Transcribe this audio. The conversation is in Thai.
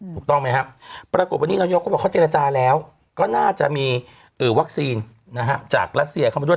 ถูกต้องไหมครับปรากฏวันนี้นายกก็บอกเขาเจรจาแล้วก็น่าจะมีวัคซีนจากรัสเซียเข้ามาด้วย